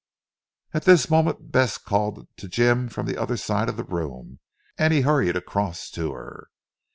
At this moment Bess called to Jim from the other side of the room and he hurried across to her.